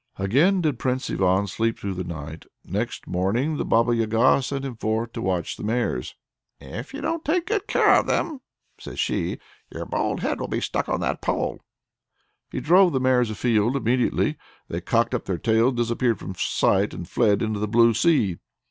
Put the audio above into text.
Again did Prince Ivan sleep through the night. Next morning the Baba Yaga sent him forth to watch the mares: "If you don't take good care of them," says she, "your bold head will be stuck on that pole!" He drove the mares afield. Immediately they cocked up their tails, disappeared from sight, and fled into the blue sea.